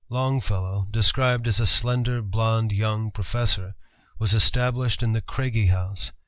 Longfellow, described as "a slender, blond young professor," was established in the Craigie House.